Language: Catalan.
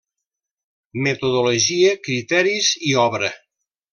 Metodologia, criteris i obra.